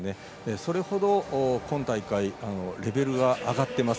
それほど今大会、レベルが上がってます。